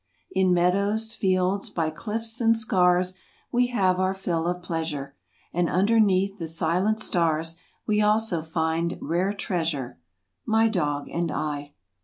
In meadows, fields, by cliffs and scars We have our fill of pleasure, And underneath the silent stars We also find rare treasure — My dog and 1.